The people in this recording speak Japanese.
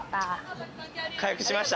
回復しました？